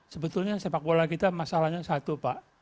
sebetulnya sepak bola kita masalahnya satu pak